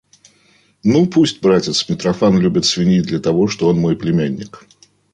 Ну пусть, братец, Митрофан любит свиней для того, что он мой племянник.